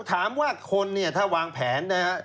ถามว่าคนเนี่ยถ้าวางแผนนะฮะ